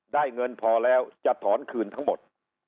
ได้เงินพอแล้วจะถอนคืนทั้งหมด